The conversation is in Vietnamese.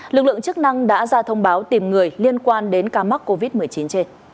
lực lượng chức năng đã ra thông báo tìm người liên quan đến ca mắc covid một mươi chín trên